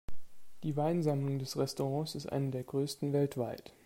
Die Weinsammlung des Restaurants ist eine der größten weltweit.